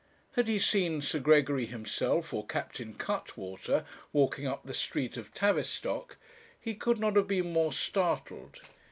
Had he seen Sir Gregory himself, or Captain Cuttwater, walking up the street of Tavistock, he could not have been more startled.